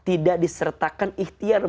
dan tidak disertakan ikhtilafan allah